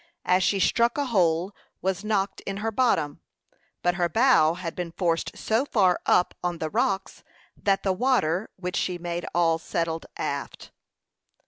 As she struck, a hole was knocked in her bottom; but her bow had been forced so far up on the rocks that the water which she made all settled aft.